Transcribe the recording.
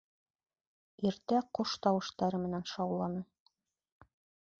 Иртә ҡош тауыштары менән шауланы.